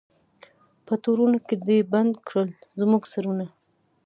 په تورونو کي دي بند کړل زموږ سرونه